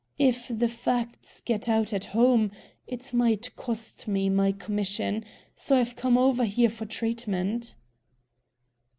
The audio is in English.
If the facts get out at home, it might cost me my commission. So I've come over here for treatment."